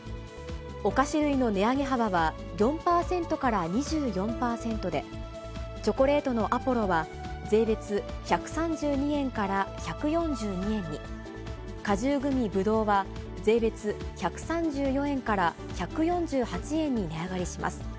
お菓子類の値上げ幅は４％から２４％で、チョコレートのアポロは税別１３２円から１４２円に、果汁グミぶどうは税別１３４円から１４８円に値上がりします。